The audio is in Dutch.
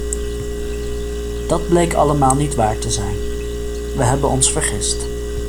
Dat bleek allemaal niet waar te zijn - we hebben ons vergist.